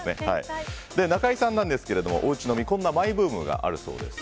中井さんなんですがおうち飲みこんなマイブームがあるそうです。